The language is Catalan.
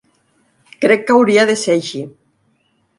Crec que hauria de ser així.